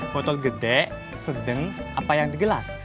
botol gede sedang apa yang digelas